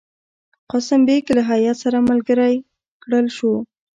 قاسم بیګ له هیات سره ملګری کړل شو.